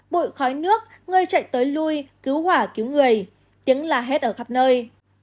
bụi khói nước người chạy tới lui cứu hỏa cứu người tiếng la hét ở khắp nơi